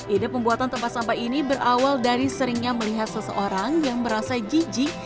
ide pembuatan tempat sampah ini berawal dari seringnya melihat seseorang yang merasa jijik